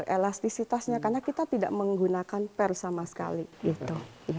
elastisitasnya karena kita tidak menggunakan per sama sekali gitu